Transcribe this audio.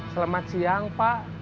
selamat siang pak